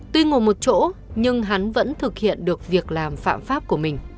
tuy ngồi một chỗ nhưng hắn vẫn thực hiện được việc